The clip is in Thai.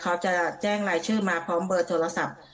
เขาจะแจ้งรายชื่อมาพร้อมเบอร์โทรศัพท์